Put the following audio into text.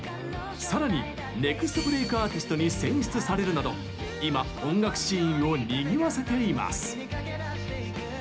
さらにネクストブレイクアーティストに選出されるなど今、音楽シーンをにぎわせています。